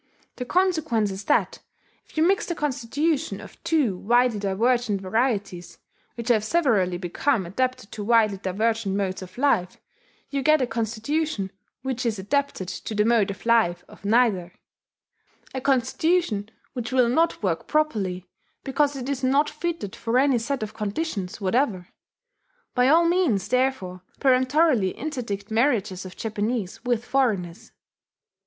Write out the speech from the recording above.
The consequence is that, if you mix the constitution of two widely divergent varieties which have severally become adapted to widely divergent modes of life, you get a constitution which is adapted to the mode of life of neither a constitution which will not work properly, because it is not fitted for any set of conditions whatever. By all means, therefore, peremptorily interdict marriages of Japanese with foreigners.